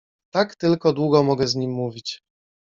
Tak tylko długo mogę z nim mówić.